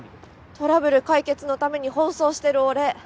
トラブル解決のために奔走してる俺。